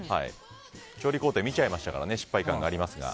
調理工程見ちゃいましたから失敗感がありますが。